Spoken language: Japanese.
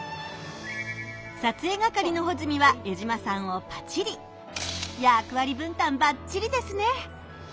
撮影係のホズミは江島さんをパチリ！役割分担バッチリですね！